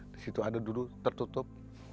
disitu ada dulu tertutup